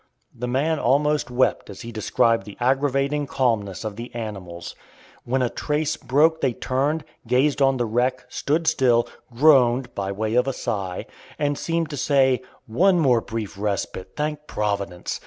The man almost wept as he described the aggravating calmness of the animals. When a trace broke they turned, gazed on the wreck, stood still, groaned (by way of a sigh), and seemed to say, "One more brief respite, thank Providence!